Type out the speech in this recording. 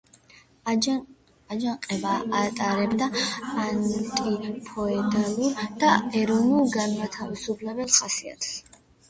აჯანყება ატარებდა ანტიფეოდალურ და ეროვნულ-განმათავისუფლებელ ხასიათს.